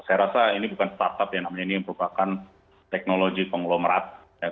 saya rasa ini bukan startup yang namanya ini merupakan teknologi konglomerat